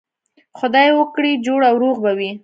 خدای وکړي جوړ او روغ به وئ.